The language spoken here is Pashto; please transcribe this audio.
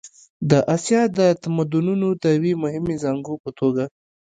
د اسیا د تمدنونو د یوې مهمې زانګو په توګه.